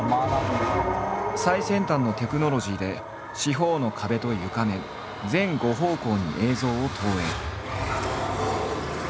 最先端のテクノロジーで四方の壁と床面全５方向に映像を投影。